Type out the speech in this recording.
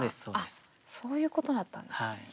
そういうことだったんですね。